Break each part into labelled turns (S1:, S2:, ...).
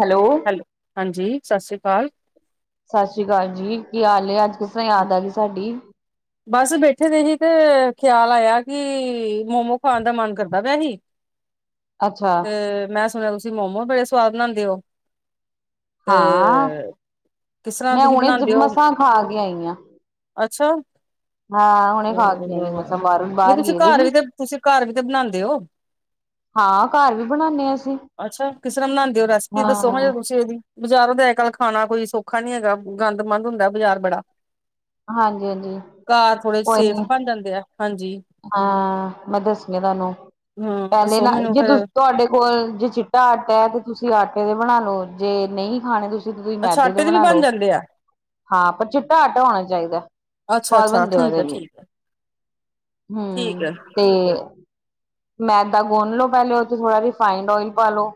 S1: Hello
S2: hello, ਹਾਂਜੀ ਸਤਿ ਸ਼੍ਰੀ ਅਕਾਲ।
S1: ਸਤਿ ਸ੍ਰੀ ਅਕਾਲ ਜੀ, ਕੀ ਹਾਲ ਏ, ਅੱਜ ਕਿਸ ਤਰ੍ਹਾਂ ਯਾਦ ਆ ਗਈ ਸਾਡੀ?
S2: ਬਸ ਬੈਠੇ ਦੇ ਹੀ ਤੇ, ਖਿਆਲ ਆਇਆ ਕਿ ਮੋਮੋ ਖਾਣ ਦਾ ਮਨ ਕਰਦਾ ਪਿਆ ਹੀ।
S1: ਅੱਛਾ,
S2: ਤੇ ਮੈਂ ਸੁਣਿਆ, ਤੁਸੀਂ ਮੋਮੋ ਬੜੇ ਸਵਾਦ ਬਣਾਉਂਦੇ ਹੋ? ਤੇ
S1: ਹਾਂ
S2: ਕਿਸ ਤਰ੍ਹਾਂ,
S1: ਮੈਂ
S2: ਤੁਸੀਂ
S1: ਹੁਣੇ ਜ
S2: ਬਣਾਉਦੇ ਹੋ?
S1: ਮਸਾਂ ਖਾ ਕੇ ਆਈ ਆਂ।
S2: ਅੱਛਾ।
S1: ਹਾਂ, ਹੁਣੇ
S2: ਨਹੀਂ,
S1: ਖਾ
S2: ਨਹੀਂ
S1: ਕੇ ਆਈ ਆਂ ਮਸਾਂ
S2: ਬਾਹਰੋ,
S1: ਬਾਹਰੋਂ, ਬਾਹਰ
S2: ਤੁਸੀਂ
S1: ਗਏ ਦੇ
S2: ਘਰ ਵੀ
S1: ਸੀ।
S2: ਤੇ ਤੁਸੀਂ ਘਰ ਵੀ ਤੇ ਬਣਾਉਦੇ ਹੋ?
S1: ਹਾਂ, ਘਰ ਵੀ ਬਣਾਨੇ ਆਂ ਅਸੀਂ।
S2: ਅੱਛਾ, ਕਿਸ ਤਰ੍ਹਾਂ ਬਣਾਉਂਦੇ ਹੋ, ਰੈਸਪੀ ਦੱਸੋ
S1: ਹਾਂ,
S2: ਹਜੇ ਤੁਸੀਂ ਓਹਦੀ ਬਜ਼ਾਰੋਂ ਦਾ ਅਜ -ਕੱਲ੍ਹ ਖਾਣਾ ਕੋਈ ਸੌਖਾ ਨੀ ਹੈਗਾ, ਗੰਦ -ਮੰੰਦ ਹੁੰਦਾ ਬਜ਼ਾਰ ਬੜਾ
S1: ਹਾਂਜੀ, ਹਾਂਜੀ
S2: ਘਰ, ਥੋੜੇ ਸੇਫ ਬਣ ਜਾਂਦੇ ਆ, ਹਾਂਜੀ।
S1: ਹਾਂ ਮੈਂ ਦੱਸੀਆਂ ਤੁਹਾਨੂੰ,
S2: ਹਮ
S1: ਪਹਿਲੇ
S2: ਦੱਸੋ
S1: ਨਾ
S2: ਮੈਨੂੰ
S1: ਜੇ ਤੁਸੀਂ
S2: ਫੇਰ
S1: ਤੁਹਾਡੇ ਕੋਲ ਜੇ ਚਿੱਟਾ ਆਟਾ ਹੈ, ਤੇ ਤੁਸੀਂ ਆਟੇ ਦੇ ਬਣਾ ਲਓ, ਜੇ ਨਹੀਂ ਖਾਣੇ ਤੁਸੀਂ ਤੁਸੀਂ,
S2: ਅੱਛਾ
S1: ਮੈਦੇ ਤੇ
S2: ਆਟੇ ਦੇ ਵੀ
S1: ਬਣਾ
S2: ਬਣ
S1: ਲਓ।
S2: ਜਾਂਦੇ ਆ
S1: ਹਾਂ, ਪਰ ਚਿੱਟਾ ਆਟਾ ਹੋਣਾ ਚਾਹੀਦਾ,
S2: ਅੱਛਾ
S1: ਸਵਾਦ
S2: ਅੱਛਾ
S1: ਬਣਦੇ
S2: ਠੀਕ
S1: ਉਹਦੇ
S2: ਹੈ
S1: ਵੀ
S2: ਠੀਕ
S1: ਹੂ
S2: ਠੀਕ ਹੈ
S1: ਤੇ ਮੈਦਾ ਗੁੰਨ ਲਓ, ਪਹਿਲੇ ਉਹਦੇ ਥੋੜ੍ਹਾ ਰਿਫਾਈੰਡ ਓਇਲ, ਪਾ ਲਉ।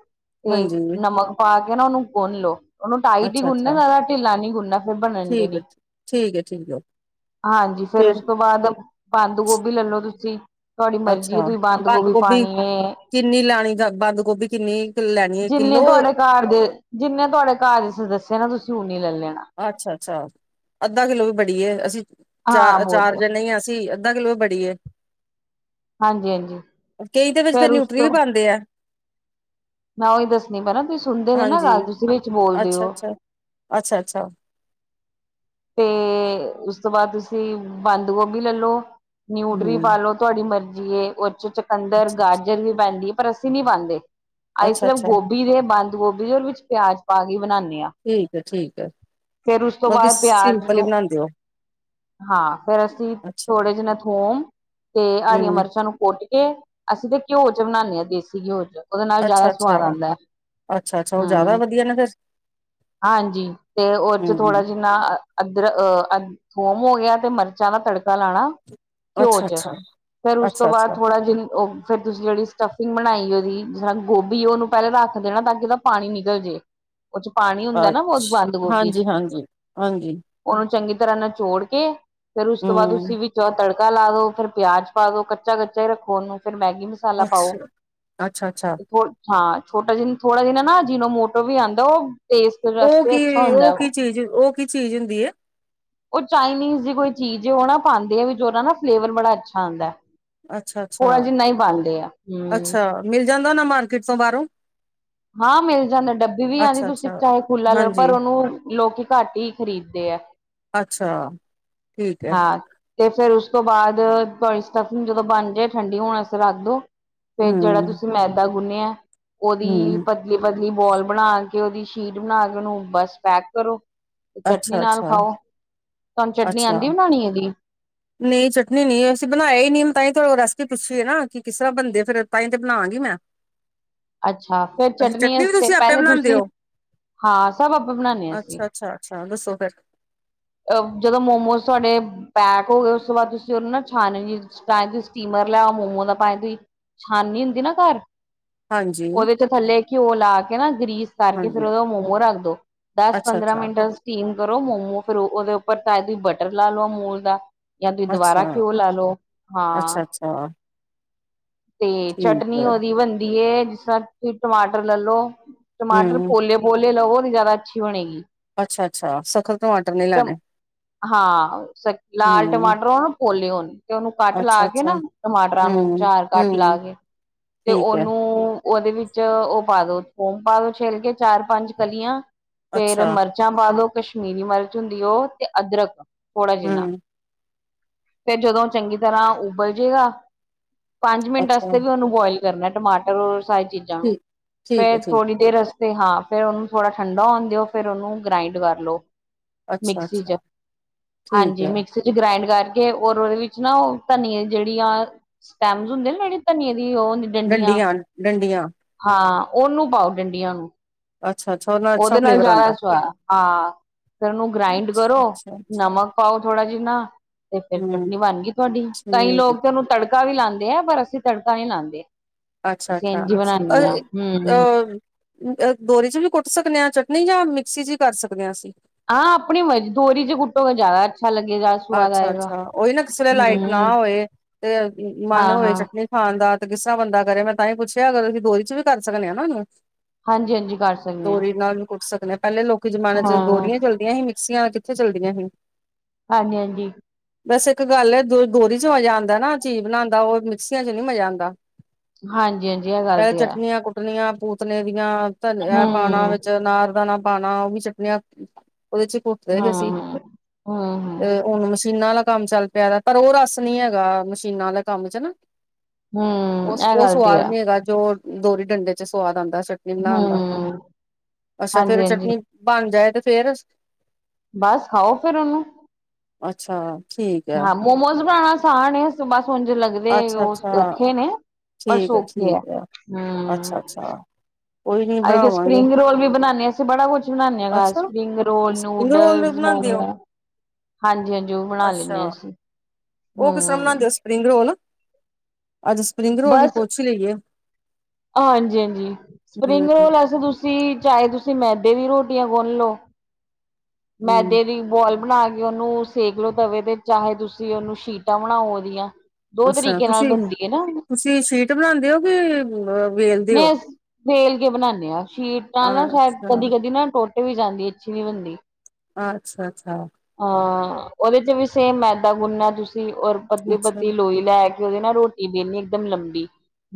S1: ਤੇ
S2: ਹਾਂਜੀ
S1: ਨਮਕ ਪਾ ਕੇ ਨਾ ਉਹਨੂੰ ਗੁੰਨ ਲਓ। ਉਹਨੂੰ ਟਾਈਟ ਹੀ
S2: ਅੱਛਾ
S1: ਗੁੰਨਨਾ
S2: ਅੱਛਾ
S1: ਜ਼ਿਆਦਾ, ਢਿੱਲਾ ਨੀ ਗੁੰਨਾ ਬਣਨਗੇ
S2: ਠੀਕ ਹੈ
S1: ਨਈ।
S2: ਠੀਕ ਹੈ ਠੀਕ ਹੈ
S1: ਹਾਂਜੀ, ਫੇਰ ਉਸ ਤੋਂ ਬਾਅਦ ਬੰਦ ਗੋਭੀ ਲੈ ਲੋ ਤੁਸੀਂ। ਤੁਹਾਡੀ ਮਰਜ਼ੀ ਏ ਤੁਸੀਂ ਬੰਦ ਗੋਭੀ ਪਾਣੀ ਹੈ।
S2: ਕਿੰਨੀ ਲੈਣੀ ਬੰਦ ਗੋਭੀ, ਕਿੰਨੀ ਕ ਲੈਣੀ ਹੈ ਕਿੱਲੋ
S1: ਕਾਰ ਗ ਜਿੰਨੇ ਤੁਹਾਡੇ ਘਰ ਦੇ ਸਦੱਸਿਆ ਨਾ ਤੁਸੀਂ ਓਨੀ ਲੈ ਲੈਣਾ।
S2: ਅੱਛਾ- ਅੱਛਾ। ਅੱਧਾ ਕਿਲੋ ਵੀ ਬੜੀ ਏ, ਅਸੀਂ
S1: ਹਾਂ
S2: ਚਾਰ
S1: ਬਹੁਤ
S2: -ਚਾਰ ਜਣੇ ਅਸੀਂ। ਅੱਧਾ ਕਿੱਲੋ ਵੀ ਬੜੀ ਦੀਏ
S1: ਹਾਂਜੀ- ਹਾਂਜੀ
S2: ਕਈ ਦੇ ਵਿੱਚ ਫਿਰ
S1: ਫੇਰ ਉਸ
S2: ਨਿਊਟਰੀ ਵੀ
S1: ਤੋਂ
S2: ਪਾਦੇਂ ਐ।
S1: ਮੈਂ ਉਹੀ ਦੱਸਣੀ ਪੈਣਾ ਤੁਸੀਂ ਸੁਣਦੇ ਨੇ ਨਾ
S2: ਹਾਂਜੀ
S1: ਗੱਲ ਤੁਸੀਂ ਵਿੱਚ ਬੋਲਦੇ
S2: ਅੱਛਾ
S1: ਹੋ।
S2: ਅੱਛਾ ਅੱਛਾ! ਅੱਛਾ
S1: ਤੇ ਉਸ ਤੋਂ ਬਾਅਦ ਤੁਸੀਂ ਬੰਦ ਗੋਭੀ ਲੈ ਲੋ, ਨਿਊਟਰੀ
S2: ਹਮ
S1: ਪਾ ਲੋ ਤੁਹਾਡੀ ਮਰਜ਼ੀ ਏ ਉਹ ਚ ਚਕੰਦਰ,
S2: ਅੱਛਾ
S1: ਗਾਜਰ ਵੀ ਪੈਂਦੀ ਹੈ। ਪਰ ਅਸੀਂ ਨੀ ਪਾਦੇਂ ਅਸੀਂ
S2: ਅੱਛਾ
S1: ਸਿਰਫ
S2: ਅੱਛਾ
S1: ਗੋਭੀ ਦੇ, ਬੰਦ ਗੋਭੀ ਦੇ ਉਹਦੇ ਵਿੱਚ ਪਿਆਜ ਪਾ ਕੇ ਬਣਾਦ ਹਾਂ।
S2: ਠੀਕ ਹੈ- ਠੀਕ ਹੈ। ਬਾਕੀ
S1: ਬਾਅਦ ਪਿਆਜ
S2: ਸਿੰਪਲ ਹੀ
S1: ਨੂੰ,
S2: ਬਣਾਉਂਦੇ ਹੋ
S1: ਹਾਂ ਫੇਰ ਅਸੀਂ-
S2: ਅੱਛਾ
S1: ਥੋੜੇ ਜਿ ਨਾ ਥੋਮ ਤੇ ਹਰੀਆਂ
S2: ਹਮ
S1: ਮਿਰਚਾਂ ਨੂੰ ਕੁੱਟ ਕੇ, ਅਸੀਂ ਤੇ ਘਿਓ ਚ ਬਣਾਦੇ ਹਾਂ। ਦੇਸੀ ਘਿਓ ਚ ਉਹਦੇ ਨਾਲ ਜ਼ਿਆਦਾ
S2: ਅੱਛਾ ਅੱਛਾ
S1: ਸਵਾਦ ਆਦਾਂ।
S2: ਅੱਛਾ ਅੱਛਾ ਉਹ ਜ਼ਿਆਦਾ
S1: ਹੂ
S2: ਵਧੀਆ ਨਾ ਫਿਰ
S1: ਹਾਂਜੀ, ਤੇ ਉਹਦੇ ਚ
S2: ਹਮ
S1: ਥੋੜਾ ਜਿੰਨਾ ਅਦਰ ਅਹ ਥੋਮ ਹੋ ਗਿਆ ਤੇ ਮਿਰਚਾਂ ਦਾ ਤੜਕਾ ਲਾਣਾ ਘਿਓ
S2: ਅੱਛਾ
S1: ਚ,
S2: ਅੱਛਾ
S1: ਫੇਰ ਉਸ ਤੋਂ ਬਾਅਦ
S2: ਅੱਛਾ-ਅੱਛਾ,
S1: ਥੋੜਾ ਜਿਹਾ ਉਹ ਫੇਰ ਤੁਸੀਂ ਜਿਹੜੀ ਸਟਫਿੰਗ ਬਣਾਈ ੳਹਦੀ, ਜਿਸ੍ਹਾਂ ਗੋਭੀ ਉਹਨੂੰ ਪਹਿਲਾਂ ਰੱਖ ਦੇਣਾ। ਤਾਂ ਕਿ ਉਹਦਾ ਪਾਣੀ ਨਿਕਲ ਜੇ। ਉਹ ਚ ਪਾਣੀ ਹੁੰਦਾ ਨਾ, ਬਹੁਤ ਬੰਦ ਗੋਭੀ ਚ
S2: ਹਾਂਜੀ ਹਾਂਜੀ।
S1: ਉਹਨੂੰ ਚੰਗੀ ਤਰ੍ਹਾਂ ਨਾਲ ਨਚੋੜ ਕੇ, ਫੇਰ ਉਸ ਤੋਂ ਬਾਅਦ ਉਸ
S2: ਹੂੰ,
S1: ਵਿੱਚ ਤੜਕਾ- ਤੜਕਾ ਲਾ ਲੋ ਫੇਰ ਪਿਆਜ ਪਾ ਦੋ ਕੱਚਾ- ਕੱਚਾ ਹੀ ਰੱਖੋ। ਉਹਨੂੰ, ਫਿਰ ਮੈਗੀ ਮਸਾਲਾ ਪਾਓ।
S2: ਅੱਛਾ, ਅੱਛਾ-ਅੱਛਾ
S1: ਥ ਹਾਂ। ਛੋਟਾ ਜਿਨ ਥੋੜਾ ਜਿਨ ਨਾ ਜਿਹਨੋ ਮੋਟੋ ਵੀ ਆਉਂਦਾ। ਉਹ ਟੇਸਟ
S2: ਉਹ
S1: ਵਾਸਤੇ ਅੱਛਾ ਹੁੰਦਾ
S2: ਕੀ-ਉਹ ਕੀ
S1: ਉਹ।
S2: ਚੀਜ਼, ਉਹ ਕੀ ਚੀਜ਼ ਹੁੰਦੀ ਹੈ।
S1: ਉਹ ਚਾਈਨੀਜ਼ ਦੀ ਕੋਈ ਚੀਜ਼, ਉਹ ਨਾ ਪਾਦੇਂ ਆ ਵਿਚ ੳਹਦਾ ਨਾ ਫਲੇਵਰ ਬੜਾ ਅੱਛਾ ਆਦਾਂ ਹੈ।
S2: ਅੱਛਾ-ਅੱਛਾ,
S1: ਥੋੜਾ ਜਿਨਾਂ ਹੀ ਪਾਦੇਂ ਆ, ਹਮ
S2: ਅੱਛਾ ਮਿਲ ਜਾਂਦਾ ਨਾ ਮਾਰਕੀਟ ਤੋਂ ਬਾਹਰੋਂ!
S1: ਹਾਂ ਮਿਲ ਜਾਂਦਾ। ਡੱਬੀ ਵੀ ਆਉਂਦੀ ਤੁਸੀਂ
S2: ਅੱਛਾ-ਅੱਛਾ,
S1: ਚਾਹੇ ਖੁੱਲਾ ਲੈਓ।
S2: ਹਾਂਜੀ,
S1: ਪਰ ਉਹਨੂੰ ਲੋਕੀ ਘੱਟ ਹੀ ਖਰੀਦਦੇ ਆ।
S2: ਅੱਛਾ! ਠੀਕ ਹੈ
S1: ਹਾਂ ਤੇ ਫੇਰ ਉਸ ਤੋਂ ਬਾਅਦ ਤੁਹਾਡੀ ਸਟਫਿੰਗ ਜਦੋਂ ਬਣ ਜਾਏ, ਠੰਡੀ ਹੋਣ ਵਾਸਤੇ ਰੱਖ ਦੋ ਫੇ ਜਿਹੜਾ
S2: ਹੂੰ-ਹੂੰ,
S1: ਤੁਸੀਂ ਮੈਦਾ ਗੁੰਨਿਆ ਉਹਦੀ- ਪਤਲੀ- ਪਦਲੀ ਬੋਲ ਬਣਾ ਕੇ ਉਹਦੀ ਸ਼ੀਟ ਬਣਾ ਕੇ ਉਹਨੂੰ ਬੱਸ ਪੈਕ ਕਰੋ। ਤੇ ਚੱਟਨੀ ਨਾਲ
S2: ਅੱਛਾ-ਅੱਛਾ,
S1: ਖਾਓ। ਤੁਹਾਨੂੰ ਚੱਟਨੀ
S2: ਅੱਛਾ
S1: ਆਂਦੀ ਬਣਾਣੀ ਇਹਦੀ
S2: ਨਹੀਂ ਚਟਨੀ ਨੀ ਅਸੀਂ ਬਣਾਏ ਹੀ ਨਈ, ਤਾਂਹੀ ਤੁਹਾਡੇ ਕੋਲ ਰੈਸਪੀ ਪੁੱਛੀਏ, ਨਾ ਕਿ ਕਿਸ ਤਰ੍ਹਾਂ ਬੰਦੇ ਫੇਰ ਤਾਂਹੀ ਤੇ ਬਣਾਾਂਗੀ ਮੈਂ
S1: ਅੱਛਾ! ਫੇਰ
S2: ਅੱਛਾ
S1: ਚਟਨੀ
S2: ਵੀ
S1: ਵਾਸਤੇ
S2: ਤੁਸੀਂ ਆਪੇ
S1: ਪਹਿਲੇ
S2: ਬਣਾਂਦੇ
S1: ਤੁਸੀਂ-
S2: ਓ?
S1: ਹਾਂ ਸਭ ਆਪੇ ਬਣਾਨੇ ਹ ਅਸੀਂ
S2: ਚ ਦੱਸੋ ਫਿਰ
S1: ਜਦੋਂ ਮੋਮੋਜ਼ ਤੁਹਾਡੇ ਪੈਕ ਹੋ ਗਏ ਉਸ ਤੋਂ ਬਾਅਦ ਤੁਸੀਂ ਉਹਨੂੰ ਨਾ ਛਾਣਨੀ ਚ ਪਾਵੇ ਤੁਸੀਂ ਸਟੀਮਰ ਲਿਆਓ ਮੋਮੋ ਪਾਵੇ ਤੁਸੀਂ ਛਾਨੀ ਹੁੰਦੀ ਨਾ ਘਰ-
S2: ਹਾਂਜੀ-ਹਾਂਜੀ,
S1: ਉਹਦੇ ਚ ਥੱਲੇ ਘਿਓ ਲਾ ਕੇ ਨਾ, ਗਰੀਸ ਕਰਕੇ ਫਿਰ ਉਹਦਾ ਮੋਮੋ ਰੱਖ ਦੋ ਦਸ ਪੰਦਰਾਂ
S2: ਅੱਛਾ-ਅੱਛਾ
S1: ਮਿੰਟ ਸਟੀਮ ਕਰੋ ਮੋਮੋ ਫਿਰ ਉਹਦੇ ਉੱਪਰ ਤਾ ਹੀ ਬਟਰ ਲਾ ਲਓ ਅਮੂਲ ਦਾ- ਜਾਂ ਤੁਸੀਂ
S2: ਅੱਛਾ,
S1: ਦੁਬਾਰਾ ਘਿਓ ਲਾ ਲੋ, ਹਾਂ
S2: ਅੱਛਾ-ਅੱਛਾ
S1: ਤੇ
S2: ਠੀਕ
S1: ਚਟਨੀ
S2: ਐ,
S1: ਉਹਦੀ ਬਣਦੀ ਜਿਸ ਤਰ੍ਹਾਂ ਤੁਸੀਂ ਟਮਾਟਰ ਲੱ ਲੋ। ਟਮਾਟਰ
S2: ਹੂੰ
S1: ਪੋਲੇ- ਪੋਲੇ ਲਵੋ ਤੇ ਜ਼ਿਆਦਾ ਅੱਛੀ ਬਣੇਗੀ।
S2: ਅੱਛਾ -ਅੱਛਾ ਸਖਤ ਟਮਾਟਰ ਨੀ ਲੈਣੇ,
S1: ਹਾਂ ਲਾਲ
S2: ਹੂੰ
S1: ਟਮਾਟਰ ਹੋਣ ਪੋਲੇ ਹੋਣ ਤੇ ਉਹਨੂੰ ਕੱਟ ਲਾ ਕੇ
S2: ਅੱਛਾ-ਅੱਛਾ,
S1: ਨਾ ਟਮਾਟਰਾਂ ਨੂੰ
S2: ਹੂੰ,
S1: ਚਾਰ ਕੱਟ ਲਾ
S2: ਹੂੰ
S1: ਕੇ ਤੇ
S2: ਠੀਕ ਐ,
S1: ਉਹਨੂੰ ਉਹਦੇ ਵਿੱਚ ਉਹ ਪਾ ਦੋ ਥੋਮ ਪਾ ਦੋ ਛੇਲ ਕੇ ਚਾਰ ਪੰਜ ਕਲੀਆਂ ਫੇਰ
S2: ਅੱਛਾ,
S1: ਮਿਰਚ ਮਰਚਾਂ ਪਾ ਦੋ ਕਸ਼ਮੀਰੀ ਮਿਰਚ ਹੁੰਦੀ ਉਹ ਤੇ ਅਦਰਕ ਥੋੜ੍ਹਾ ਜਿੰਨਾ-
S2: ਹੂੰ
S1: ਫਿਰ ਜਦੋਂ ਚੰਗੀ ਤਰ੍ਹਾਂ ਉਬਲ ਜੇਗਾ ਪੰਜ ਮਿੰਟ
S2: ਅੱਛਾ
S1: ਅਸਤੇ ਵੀ ਉਹਨੂੰ ਬੋਆਇਲ ਕਰਨਾ ਟਮਾਟਰ ਔਰ ਸਾਰੀ ਚੀਜ਼ਾਂ ਨੂੰ
S2: ਠੀਕ, ਠੀਕ
S1: ਫੇਰ
S2: ਐ ਠੀਕ,
S1: ਥੋੜੀ ਦੇਰ ਤੇ ਹਾਂ ਫਿਰ ਉਹਨੂੰ ਥੋੜ੍ਹਾ ਠੰਡਾ ਹੋਣ ਦਿਓ ਫਿਰ ਉਹਨੂੰ ਗ੍ਰਾਇੰਡ ਕਰ ਲਉ। ਮਿਕਸੀ 'ਚ
S2: ਅੱਛਾ-ਅੱਛਾ ਠੀਕ
S1: ਹਾਂਜੀ
S2: ਐ।
S1: ਮਿਕਸੀ ਗ੍ਰਾਇੰਡ ਕਰਕੇ ਔਰ ਉਹਦੇ ਵਿੱਚ ਨਾ ਉਹ ਧਨੀਏ ਜਿਹੜੀ ਆ ਸਟੈਮਸ ਹੁੰਦੇ ਜਿਹੜੀ ਧਨੀਏ ਦੀ ਉਹ ਹੁੰਦ
S2: ਡੰਡੀਆਂ- ਡੰਡੀਆਂ
S1: ਹਾਂ ਉਹਨੂੰ ਪਾਓ ਡੰਡੀਆਂ ਨੂੰ
S2: ਅੱਛਾ-ਅੱਛਾ ਅੱਛਾ
S1: ਉਹਦੇ ਨਾਲ
S2: ਫਲੇਵਰ
S1: ਜ਼ਿਆਦਾ
S2: ਆਂਦਾ,
S1: ਸੁਆ ਹਾਂ। ਫਿਰ ਉਹਨੂੰ ਗ੍ਰਾਈਡ ਕਰੋ
S2: ਅੱਛਾ-ਅੱਛਾ-ਅੱਛਾ
S1: ਨਮਕ ਪਾਓ ਥੋੜਾ ਜਿੰਨਾ ਤੇ ਫਿਰ
S2: ਹੂੰ
S1: ਚਟਨੀ ਬਣ ਗਈ ਤੁਹਾਡੀ ਕਈ
S2: ਠੀਕ ਐ,
S1: ਲੋਕ ਤੇ ਉਹਨੂੰ ਤੜਕਾ ਵੀ ਲਾਂਦੇ ਹੈ ਪਰ ਅਸੀਂ ਤੜਕਾ ਨ ਲਾਂਦੇ।
S2: ਅੱਛਾ- ਅੱਛਾ ਅ
S1: ਹਮ
S2: -ਅ ਅ ਦੋਰੀ 'ਚ ਵੀ ਕੁੱਟ ਸਕਣੇ ਹਾਂ ਚਟਨੀ ਜਾਂ ਮਿਕਸੀ 'ਚ ਵੀ ਕਰ ਸਕਦੇ ਹਾਂ ਅਸੀਂ
S1: ਹਾਂ ਆਪਣੀ ਮਰਜ਼ੀ ਦੋਰੀ 'ਚ ਕੁੱਟੋਗੇ ਜ਼ਿਆਦਾ ਅੱਛਾ ਲੱਗੇ ਗਾ।
S2: ਅੱਛਾ- ਅੱਛਾ ਉਹੀ ਨਾ ਕਿਸ ਵੇਲੇ ਲਾਈਟ ਨਾ ਹੋਵੇ ਤੇ ਮਨ
S1: ਹਾਂ
S2: ਹੋਵੇ
S1: ਹਾਂ
S2: ਚਟਨੀ ਖਾਨ ਦਾ ਤੇ ਕਿਸ ਤਰ੍ਹਾਂ ਬੰਦਾ ਕਰੇ ਮੈਂ ਤਾਂ ਹੀ ਪੁੱਛਿਆ ਅਗਰ ਅਸੀਂ ਦੋਰੀ 'ਚ ਵੀ ਕਰ ਸਕਦੇ ਹਾਂ ਨਾ ਉਹਨੂੰ
S1: ਹਾਂਜੀ ਹਾਂਜੀ ਕਰ ਸਕਦੇ ਹਾਂ
S2: ਦੋਰੀ ਨਾਲ ਵੀ ਕੁੱਟ ਸਕਦੇ ਹ ਪਹਿਲੇ ਲੋਕ ਪਿਛੇ ਜ਼ਮਾਨੇ 'ਚ
S1: ਹਾਂ
S2: ਦੋਰੀਆ ਚੱਲਦੀਆਂ ਸੀ ਮਿਕਸੀਆਂ ਕਿੱਥੇ ਚਲਦੀਆਂ ਸੀ।
S1: ਹਾਂਜੀ -ਹਾਂਜੀ
S2: ਬਸ ਇੱਕ ਗੱਲ ਹੈ ਦ ਦੋਰੀ 'ਚ ਮਜ਼ਾ ਆਂਦਾ ਨਾ ਚੀਜ਼ ਬਣਾਂਣ ਦਾ ਉਹ ਮਿਕਸੀਆਂ 'ਚ ਨੀ ਮਜ਼ਾ ਆਂਦਾ।
S1: ਹਾਂਜੀ ਹਾਂਜੀ ਇਹ ਗੱਲ
S2: ਪਹਿਲੇ
S1: ਤੇ ਹੈ
S2: ਚਟਣੀਆਂ ਕੁੱਟਣੀਆਂ ਪੂਤਨੇ ਦੀਆਂ।
S1: ਹੂੰ
S2: ਧਨਿਆ ਪਾਂਣਾ ਵਿੱਚ ਅਨਾਰ ਦਾਣਾ ਪਾਂਣਾ ਉਹ ਵੀ ਚਟਨੀਆਂ ਉਹਦੇ 'ਚ ਕੁ
S1: ਹਾਂ ਹੂੰ
S2: ਹੁਣ ਮਸ਼ੀਨਾਂ ਆਲਾ ਕੰਮ ਚੱਲ ਪਿਆ ਪਰ ਉਹ ਰਸ ਨੀ ਹੈਗਾ ਮਸ਼ੀਨਾਂ ਆਲੇ ਕੰਮ 'ਚ ਨਾ।
S1: ਹੂੰ
S2: ਉਹ
S1: ਇਹ
S2: -ਉਹ
S1: ਗੱਲ ਤੇ
S2: ਸਵਾਦ
S1: ਹੈ
S2: ਨੀ ਹੈਗਾ ਜੋ ਦੋਰੀ ਡੰਡੇ 'ਚ ਸਵਾਦ ਆਂਦਾ ਚਟ ਕਿੰਨਾ
S1: ਹੂੰ
S2: ਆਣਾ ਦਾ ਅੱਛਾ
S1: ਹਾਂਜੀ
S2: ਫੇਰ
S1: ਹਾਂਜੀ
S2: ਚਟਨੀ ਬਣ ਜਾਏ ਤੇ ਫੇਰ
S1: ਬਸ ਖਾਓ ਫੇਰ ਉਹਨੂੰ
S2: ਅੱਛਾ ਠੀਕ ਹੈ।
S1: ਹਾਂ ਮੋਮੋਸ ਬਣਾਣਾ ਆਸਾਨ ਬਸ ਹੁਣ ਲੱਗਦੇ
S2: ਅੱਛਾ ਅੱਛਾ
S1: ਉਹ ਔਖੇ ਨੇ ਪਰ ਸੌਖੇ ਹੈ ਹੂੰ।
S2: ਅੱਛਾ ਅੱਛਾ ਕੋਈ ਨੀ
S1: ਅ ਤੇ
S2: ਬਣਾਵਾਂਗੇ
S1: ਸਪਰਿੰਗ ਰੋਲ ਵੀ ਬਣਾਣੇ। ਬੜਾ ਕੁਛ ਬਣਾਨਣੇ ਹਾਂ
S2: ਅੱਛਾ
S1: spring roll
S2: spring roll
S1: noodle
S2: ਵੀ ਬਣਾਉਂਦੇ ਹੋ
S1: ਮੋਮੋ ਹਾਂਜੀ -ਹਾਂਜੀ ਉਹ ਬਣਾ
S2: ਅੱਛਾ
S1: ਲੈਂਣੇ ਅਸੀਂ
S2: ਉਹ ਕਿਸ ਤਰ੍ਹਾਂ ਬਣਾਉਂਦੇ
S1: ਹੂੰ।
S2: ਹੋ ਸਪਰਿੰਗ ਰੋਲ ਅੱਜ ਸਪਰਿੰਗ ਰੋਲ ਵੀ
S1: ਬਸ
S2: ਪੁਛ ਲਈਏ।
S1: ਹਾਂਜੀ- ਹਾਂਜੀ ਸਪਰਿੰਗ
S2: ਹਮ
S1: ਰੋਲ ਵਸੇ ਤੁਸੀਂ ਚਾਹੇ ਤੁਸੀਂ ਮੈਦੇ ਦੀ ਰੋਟੀਆਂ ਗੁੰਨ ਲਓ।
S2: ਹਮ
S1: ਮੈਦੇ ਦੀ ਬੋਲ ਬਣਾ ਕੇ ਉਹਨੂੰ ਸੇਕ ਲਵੋ ਤਵੇ ਤੇ ਚਾਹੇ ਤੁਸੀਂ ਉਹਨੂੰ ਸ਼ੀਟਾਂ ਬਣਾਓ ਉਹਦੀਆਂ ਦੋ
S2: ਅੱਛਾ
S1: ਤਰੀਕੇ ਨਾਲ
S2: ਤੁਸੀਂ
S1: ਬਣਦੀ ਹੈ ਨਾ।
S2: ਤੁਸੀਂ ਸ਼ੀਟ ਬਣਾਉਂਦੇ ਹੋ ਕਿ ਵੇਲਦੇ ਹੋ
S1: ਨਹੀਂ ਵੇਲ ਕੇ ਬਣਾਣੇ ਹਾਂ ਸ਼ੀਟ ਨਾਲ ਨਾ ਸ਼ਾਇਦ
S2: ਅੱਛਾ
S1: ਕਦੀ- ਕਦੀ ਨਾ ਟੋਟੇ ਵੀ ਜਾਂਦੀ ਅੱਛੀ ਨੀ ਬਣਦੀ।
S2: ਅੱਛਾ-ਅੱਛਾ
S1: ਅਹ ਉਹਦੇ 'ਚ ਵੀ ਸੇਮ ਮੈਦਾ ਗੁੰਨਾ ਤੁਸੀਂ ਔਰ ਪਤਲੀ-
S2: ਅੱਛਾ
S1: ਪਤਲੀ ਲੋਈ ਲੈ ਕੇ ਉਹਦੇ ਨਾਲ ਰੋਟੀ ਦੇਣੀ ਇੱਕਦਮ ਲੰਬੀ।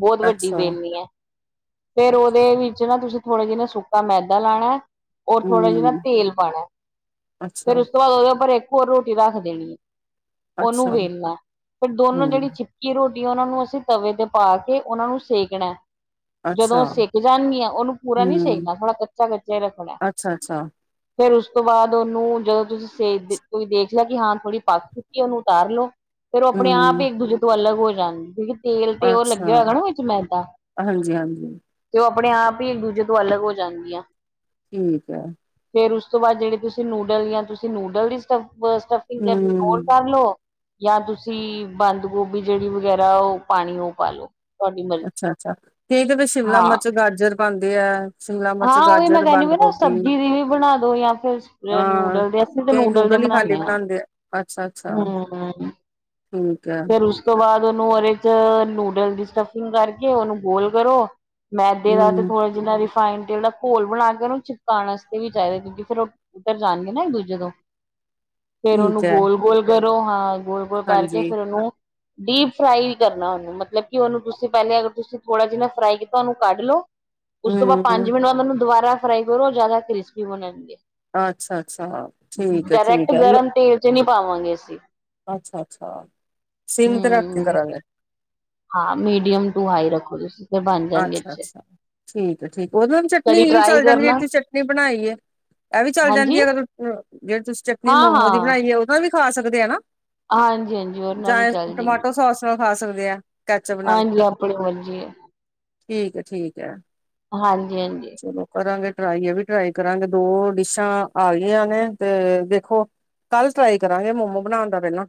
S1: ਬਹੁਤ ਵੱਡੀ
S2: ਅੱਛਾ
S1: ਵੇਲਨੀ ਐ ਫੇਰ ਉਹਦੇ
S2: ਅੱਛਾ
S1: ਵਿੱਚ ਨਾ ਤੁਸੀਂ ਥੋੜ੍ਹਾ ਜਿਨ੍ਹਾਂ ਸੁੱਕਾ ਮੈਦਾ ਲਾਣਾ ਔਰ ਥੋੜ੍ਹਾ ਜਿਨ੍ਹਾਂ
S2: ਹਮ
S1: ਤੇਲ ਪਾਉਣਾ।
S2: ਅੱਛਾ,
S1: ਫੇਰ ਉਸ ਤੋਂ ਬਾਅਦ ਉਹਦੇ ਉੱਪਰ ਇੱਕ ਹੋਰ ਰੋਟੀ ਰੱਖ ਦੇਣੀ। ਉਹਨੂੰ
S2: ਅੱਛਾ,
S1: ਵੇਲਣਾ ਫੇਰ ਦੋਨੋਂ ਜਿਹੜੀ
S2: ਹੂੰ,
S1: ਚਿੱ ਕਿ ਰੋਟੀ ਉਹਨਾਂ ਨੂੰ ਅਸੀਂ ਤਵੇ ਤੇ ਪਾ ਕੇ ਉਹਨਾਂ ਨੂੰ ਸੇਕਣਾ।
S2: ਅੱਛਾ,
S1: ਜਦੋਂ ਸੇਕ ਜਾਣਗੀਆਂ, ਉਹਨੂੰ ਪੂਰਾ ਨਹੀਂ
S2: ਹੂੰ,
S1: ਸੇਕਣਾ ਥੋੜ੍ਹਾ ਕੱਚਾ-ਕੱਚਾ ਰੱਖਣਾ।
S2: ਅੱਛਾ-ਅੱਛਾ,
S1: ਫਿਰ ਉਸ ਉਸ ਤੋਂ ਬਾਅਦ ਉਹਨੂੰ ਜਦੋਂ ਤੁਸੀਂ ਸੇਕ ਤੁਹੀਂ ਦੇਖ ਲਿਆ ਕਿ ਹਾਂ ਥੋੜੀ ਪੱਕ ਚੁੱਕੀ ਉਹਨੂੰ ਉਤਾਰ ਲੋ ਫਿਰ ਉਹ ਆਪਣੇ ਆਪ ਹੀ
S2: ਹੂੰ,
S1: ਇੱਕ ਦੂਜੇ ਤੋਂ ਅਲੱਗ ਹੋ ਜਾਂਦੇ ਠੀਕ ਐ। ਤੇਲ ਤੇ ਉਹ
S2: ਅੱਛਾ,
S1: ਲੱਗਿਆ ਹੋਏਗਾ ਨਾ ਵਿੱਚ ਮੈਦਾ
S2: ਹਾਂਜੀ-ਹਾਂਜੀ,
S1: ਤੇ ਉਹ ਆਪਣੇ ਆਪ ਹੀ ਇੱਕ ਦੂਜੇ ਤੋਂ ਅਲੱਗ ਹੋ ਜਾਂਣਦੀਆਂ।
S2: ਠੀਕ ਐ।
S1: ਫੇਰ ਉਸ ਤੋਂ ਬਾਅਦ ਜਿਹੜੀ ਤੁਸੀਂ ਨੂਡਲ ਜਾਂ ਤੁਸੀਂ ਨੂਡਲ ਦੀ ਸਟਫ ਸਟ ਸਟਫਿੰਗ ਕਰਨੀ, ਹੋਲ
S2: ਹੂੰ,
S1: ਕਰ ਲਓ। ਜਾਂ ਤੁਸੀਂ ਬੰਦ ਗੋਭੀ ਜਿਹੜੀ ਵਗੈਰਾ ਉਹ ਪਾਣੀ ਉਹ ਪਾ ਲਓ।
S2: ਅੱਛਾ-ਅੱਛਾ, ਤੇ ਇਹਦੇ ਵਿੱਚ ਸ਼ਿਮਲਾ
S1: ਹਾਂ।
S2: ਮਿਰਚ, ਗਾਜਰ ਪਾਂਦੇ ਆ। ਸ਼ਿਮਲਾ ਮਿਰਚ,
S1: ਹਾਂ ਉਹੀ ਮੈਂ
S2: ਗਾਜਰ,
S1: ਕਹਿੰਦੀ
S2: ਬੰਦ
S1: ਪਈ ਨਾ
S2: ਗੋਭੀ
S1: ਸਬਜ਼ੀ ਦੀ ਵੀ ਬਣਾ ਦੋ ਜਾਂ ਫਿਰ
S2: ਅਹ
S1: ਨੂਡਲ ਦੇ ਅਸੀਂ ਤੇ
S2: ਕਈ ਨੂਡਲ ਹੀ ਖਾਲੀ ਬਣਾਦੇ ਆ, ਅੱਛਾ
S1: ਹੂੰ-ਹੂੰ।
S2: ਠੀਕ ਐ।
S1: ਉਸ ਤੋਂ ਬਾਅਦ ਉਹਨੂੰ ਉਹਦੇ ਚ ਨੂਡਲ ਦੀ ਸਟਫਿੰਗ ਕਰਕੇ ਉਹਨੂੰ ਗੋਲ ਕਰੋ। ਮੈਦੇ ਦਾ ਤੇ
S2: ਹੂੰ,
S1: ਥੋੜ੍ਹਾ ਜਿਨਾ ਰਿਫਾਈਨ ਤੇਲ ਦਾ ਘੋਲ ਬਣਾ ਕੇ ਉਹਨੂੰ ਚਿਪਕਾਉਣ ਵਾਤੇ ਵੀ ਚਾਹੀਦਾ ਕਿਉਂਕਿ ਫਿਰ ਉੱਤਰ ਜਾਣਗੇ ਨਾ ਇੱਕ ਦੂਜੇ ਤੋਂ
S2: [inaudible]
S1: ਫੇਰ ਉਹਨੂੰ
S2: ਐ,
S1: ਗੋਲ-ਗੋਲ ਕਰੋ, ਹਾਂ ਗੋਲ-ਗੋਲ ਕਰਕੇ
S2: ਹਾਂਜੀ,
S1: ਫੇਰ ਉਹਨੂੰ ਡੀਪ ਫਰਾਈ ਵੀ ਕਰਨਾ ਉਹਨੂੰ ਮਤਲਬ ਕਿ ਉਹਨੂੰ ਤੁਸੀਂ ਪਹਿਲੇ ਅਗਰ ਤੁਸੀਂ ਥੋੜ੍ਹਾ ਜਿਹਾ ਨਾ ਫਰਾਈ ਕੀਤਾ, ਉਹਨੂੰ ਕੱਢ ਲਓ। ਉਸ ਤੋਂ ਬਾਅਦ ਪੰਜ
S2: ਹੂੰ,
S1: ਮਿੰਟ ਬਾਅਦ ਉਹਨੂੰ ਦੁਬਾਰਾ ਫਰਾਈ ਕਰੋ ਜ਼ਿਆਦਾ ਕ੍ਰਿਸਪੀ ਬਣਨਗੇ।
S2: ਅੱਛਾ-ਅੱਛਾ, ਠੀਕ ਐ, ਠੀਕ ਐ।
S1: ਚਨੀ ਪਾਵਾਂਗੇ ਅਸੀਂ।
S2: ਅੱਛਾ-ਅੱਛਾ। ਸਿਮ ਤੇ ਰੱਖ ਕੇ
S1: ਹੂੰ,
S2: ਕਰਾਂਗੇ,
S1: ਹਾਂ ਮੀਡੀਅਮ ਟੂ ਹਾਈ ਰੱਖੋ ਤੁਸੀ।
S2: ਅੱਛਾ-ਅੱਛਾ, ਠੀਕ ਐ ਠੀਕ ਉਹਦੇ ਨਾਲ ਵੀ ਚਟਨੀ
S1: ਕਦੀ
S2: ਏਓ
S1: ਟਰਾਈ
S2: ਚੱਲ ਜਾਂਦੀ ਜਿਹੜੀ
S1: ਕਰਨਾ
S2: ਤੁਸੀਂ ਚਟਨੀ ਬਣਾਈ। ਇਹ ਵੀ ਚੱਲ ਜਾਂਦੀ
S1: ਹਾਂਜੀ
S2: ਐ ਅਗਰ ਜਿਹੜੀ ਤੁਸੀਂ ਚਟਨੀ ਮੋਮੋ ਦੀ
S1: ਹਾਂ-ਹਾਂ
S2: ਬਣਾਈ ਏ, ਉਹੋਂ ਵੀ ਖਾ ਸਕਦੇ ਆ ਨਾ।
S1: ਹਾਂਜੀ-ਹਾਂਜੀ ਉਹਨਾਂ
S2: ਜਾਂ
S1: ਵੀ ਚੱਲ ਜਾਏਗੀ
S2: ਟਮਾਟੋ ਸੋਸ ਨਾਲ ਖਾ ਸਕਦੇ ਆ। ਕੈਚਅਪ ਨਾਲ
S1: ਹਾਂਜੀ, ਆਪਣੇ ਮੰਜੀ ਐ।
S2: ਠੀਕ ਐ, ਠੀਕ ਐ
S1: ਹਾਂਜੀ-ਹਾਂਜੀ
S2: ਚਲੋ ਕਰਾਂਗੇ ਟਰਾਈ ਵੀ ਟਰਾਈ ਕਰਾਂਗੇ, ਦੋ ਡਿਸ਼ਾਂ ਆ ਗਈਆਂ ਨੇ ਤੇ ਦੇਖੋ। ਕੱਲ ਟਰਾਈ ਕਰਾਂਗੇ ਮੋਮੋ ਬਣਾਣ ਦਾ ਪਹਿਲਾਂ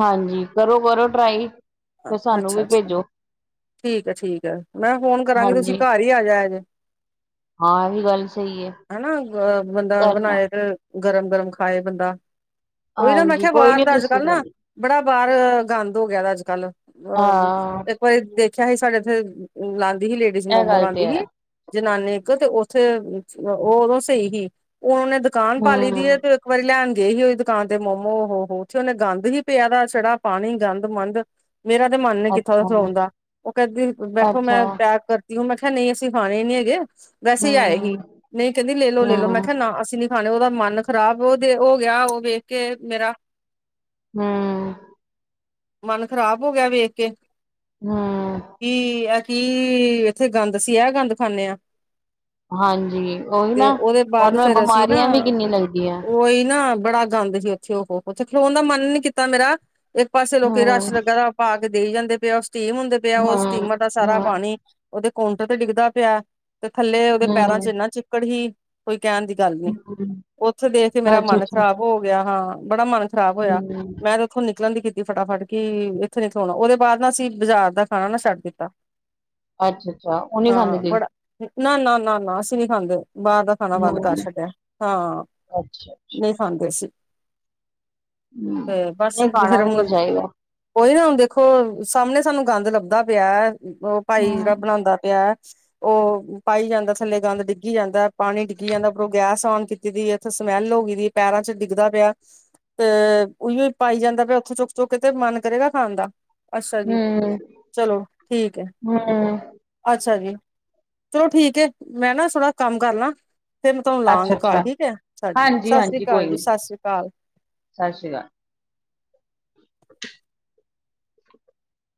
S1: ਹਾਂਜੀ, ਕਰੋ-ਕਰੋ ਟਰਾਈ ਫੇਰ ਸਾਨੂੰ
S2: ਅੱਛਾ
S1: ਵੀ
S2: ਅੱਛਾ
S1: ਭੇਜੋ।
S2: ਠੀਕ ਹੈ ਠੀਕ ਮੈਂ ਫੋਨ ਕਰਾਂਗੀ, ਤੁਸੀਂ
S1: ਹਾਂਜੀ,
S2: ਘਰ ਹੀ ਆ ਜਾਇਜੇ।
S1: ਹਾਂ ਇਹ ਵੀ ਗੱਲ ਸਹੀ ਹੈ
S2: ਹੈਨਾ ਅ ਬੰਦਾ
S1: ਕਰਨਾ
S2: ਬਣਾਏ ਤੇ ਗਰਮ-ਗਰਮ ਖਾਏ ਬੰਦਾ। ਉਹੀ ਨਾ ਮੈਂ
S1: ਹਾਂਜੀ
S2: ਕਿਆ
S1: ਕੋਈ
S2: ਬਾਹਰ
S1: ਨੀ
S2: ਦਾ
S1: ਤੁਸੀਂ
S2: ਅੱਜ-ਕੱਲ੍ਹ ਨਾ
S1: ਗੱਲ
S2: ਬੜਾ ਬਾਹਰ ਗੰਦ ਹੋ ਗਿਆ ਦਾ ਅੱਜ-ਕੱਲ,
S1: ਹਾਂ
S2: ਅਹ ਇੱਕ ਵਾਰੀ ਦੇਖਿਆ ਸੀ ਸਾਡੇ ਇੱਥੇ ਲਾਦੀ ਸੀ, ਲੇਡੀਜ਼
S1: ਇਹ
S2: ਮੋਮੋ
S1: ਗੱਲ ਤੇ
S2: ਲਾਦੀ
S1: ਹੈ
S2: ਸੀ। ਜਨਾਨੀ ਇੱਕ ਤੇ ਉੱਥੇ ਉਹ ਉਦੋਂ ਸਹੀ ਸੀ, ਹੁਣ ਉਹਨੇ ਦੁਕਾਨ ਪਾਲੀ ਦੀ ਏ
S1: ਹੂੰ
S2: ਤੇ ਇੱਕ ਵਾਰੀ ਲੈਣ ਗਏ ਹੀ ਉਹਈ ਦੁਕਾਨ ਤੇ ਮੋਮੋ, ਓ ਹੋ ਉੱਥੇ ਉਹਨੇ ਗੰਦ ਹੀ ਪਿਆ ਦਾ ਛੜਾ ਪਾਣੀ ਗੰਦ ਮੰੰਦ, ਮੇਰਾ ਤੇ ਮਨ ਨੀ ਕਿੱਥਾ ਉਥੇ
S1: ਅੱਛਾ
S2: ਖਲੋਣ ਦਾ, ਉਹ ਕਹਿੰਦੀ ਬੈਠੋ ਮੈਂ
S1: ਅੱਛਾ
S2: ਪੈਕ ਕਰਤੀ ਹੂੰ, ਮੈਂ ਕਿਹਾ ਨਹੀਂ, ਅਸੀਂ ਖਾਣੇ ਨੀ ਹੈਗੇ। ਵੈਸੇ ਹੀ ਆਏ ਹੀ,
S1: ਹੂੰ
S2: ਨਹੀਂ ਕਹਿੰਦੀ ਲੈ ਲੋ-ਲੈ ਲੋ, ਮੈਂ
S1: ਹੂੰ
S2: ਕਿਹਾ ਨਾ ਅਸੀਂ ਨੀ। ਣੇ ਉਹਦਾ ਮਨ ਖ਼ਰਾਬ, ਉਹਦੇ ਹੋ ਗਿਆ, ਉਹ ਵੇਖ ਕੇ ਮੇਰਾ
S1: ਹਮ,
S2: ਮਨ ਖ਼ਰਾਬ, ਹੋ ਗਿਆ ਵੇਖ ਕੇ
S1: ਹਾਂ,
S2: ਕੀ ਕੀ ਇਥੇ ਗੰਦ ਸੀ, ਇਥੇ ਗੰਦ ਖਾਂਦੇ ਹਾਂ।
S1: ਹਾਂਜੀ ਉਹੀ
S2: ਤੇ,
S1: ਨਾ
S2: ਉਹਦੇ
S1: ਔਰ
S2: ਬਾਅਦ
S1: ਨਾਲ
S2: ਫੇਰ, ਅਸੀਂ ਨਾ
S1: ਬਿਮਾਰੀਆਂ ਵੀ ਕਿੰਨੀ ਲੱਗਦੀਆਂ
S2: ਉਹੀ ਨਾ ਬੜਾ। ਜਾਂਦੇ ਸੀ। ਉੱਥੇ ਉਹ ਉੱਥੇ ਖਲੋਣ ਦਾ ਮਨ ਨੀ ਕੀਤਾ, ਮੇਰਾ ਇੱਕ ਪਾਸੇ ਲੋਕ
S1: ਹੂੰ
S2: ਰਸ਼ ਲੱਗਾ ਦਾ। ਪਾ ਕੇ ਦੇਈ ਜਾਂਦੇ ਪਏ, ਉਹ ਸਟੀਮ ਹੁੰਦੇ ਪਿਆ, ਉਹ
S1: ਹੂੰ
S2: ਸਟੀਮਰ ਦਾ ਸਾਰਾ।
S1: ਹੂੰ
S2: ਪਾਣੀ ਉਹਦੇ ਕਾਂਟਰ ਤੇ ਡਿੱਗਦਾ ਪਿਆ ਤੇ ਥੱਲੇ, ਉਹਦੇ
S1: ਹੂੰ
S2: ਪੈਰਾਂ ਚ ਇੰਨਾ ਚਿੱਕੜ ਹੀ ਕੋਈ ਕਹਿਣ ਦੀ। ਗੱਲ ਨ
S1: ਹੂੰ,
S2: ਉੱਥੇ ਦੇਖ ਕੇ ਮੇਰਾ
S1: ਅੱਛਾ
S2: ਮਨ
S1: ਅੱਛਾ
S2: ਖ਼ਰਾਬ ਹੋ ਗਿਆ। ਹਾਂ ਬੜਾ ਮਨ ਖ਼ਰਾਬ ਹੋਇਆ,
S1: ਹੂੰ
S2: ਮੈਂ ਤੇ ਉਥੋਂ ਨਿਕਲਣ ਦੀ ਕੀਤੀ ਫਟਾਫਟ ਕਿ ਇੱਥੋਂ ਨ ਖਲਣਾ ਉਹਦੇ ਬਾਅਦ ਨਾ ਅਸੀਂ ਬਾਜ਼ਾਰ ਦਾ ਖਾਣਾ ਨਾ ਛੱਡ ਦਿੱ ਕੀਤਾ।
S1: ਅੱਛਾ ਅੱਛਾ ਉਹ ਨੀ ਖਾਦੇ
S2: ਬੜਾ ਨਾ ਨਾ, ਨਾ ਨਾ ਅਸੀਂ ਨੀ ਖਾਂਦੇ ਬਾਹਰ ਦਾ ਖਾਣਾ ਬੰਦ
S1: ਹੂੰ
S2: ਕਰ ਛੱਡਿਆ ਹਾਂ
S1: ਅੱਛਾ ਅੱਛਾ
S2: ਨਹੀਂ ਖਾਂਦੇ ਸੀ।
S1: ਹੂੰ
S2: ਬਸ,
S1: ਨਹੀਂ ਖਾਣਾ
S2: ਪਾਰਸਰੇ
S1: ਵੀ ਨਹੀਂ
S2: ਮਨ
S1: ਚਾਹੀਦਾ
S2: ਕੋਈ ਨਾ ਹੁਣ ਦੇਖੋ ਸਾਹਮਣੇ ਸਾਨੂੰ ਗੰਦ ਲੱਭਦਾ ਪਿਆ, ਉਹ ਭਾਈ ਜਿਹੜਾ
S1: ਹੂੰ
S2: ਬਣਾਉਂਦਾ ਪਿਆ। ਉਹ ਪਾਈ ਜਾਂਦਾ ਥੱਲੇ ਗੰਦ ਡਿੱਗੀ ਜਾਂਦਾ। ਪਾਣੀ ਡਿੱਗ ਜਾਂਦਾ, ਉਰੋਂ ਗੈਸ ਔਨ ਕੀਤੀ ਦੀ, ਉੱਥੇ ਸਮੈਲ ਹੋ ਗਈ ਸੀ ਪੈਰਾਂ ਚ ਡਿੱਗਦਾ ਪਿਆ। ਤੇ, ਉ ਪਾਈ ਜਾਂਦਾ ਪਿਆ, ਉੱਥੋਂ ਚੁੱਕ ਚੁੱਕ ਕੇ ਤੇ ਮਨ ਕਰੇਗਾ। ਖਾਣ ਦਾ ਅੱਛਾ ਜੀ, ਚਲੋ ਠੀਕ ਹੈ।
S1: ਹਾਂ,
S2: ਅੱਛਾ ਜੀ, ਚਲੋ ਠੀਕ ਹੈ, ਮੈਂ ਨਾ ਥੋੜਾ ਕੰਮ ਕਰ ਲਿਆ। ਫੇਰ ਮੈਂ ਤੁਹਾਨੂੰ ਲਵਾਂਗੀ ਕਾਲ
S1: ਅੱਛਾ-ਅੱਛਾ,
S2: ਠੀਕ ਹੈ, ਸਾੀ ਸਤਿ ਸ੍ਰੀ
S1: ਹਾਂਜੀ-ਹਾਂਜੀ ਕੋਈ
S2: ਅਕਾਲ, ਜੀ
S1: ਨੀ
S2: ਸਤਿ ਸ੍ਰੀ ਅਕਾਲ,
S1: ਸਤਿ ਸ਼੍ਰੀ ਅਕਾਲ, [inaudible]